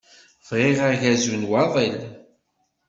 Bɣiɣ agazu n waḍil.